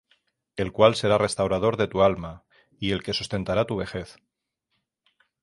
El cual será restaurador de tu alma, y el que sustentará tu vejez;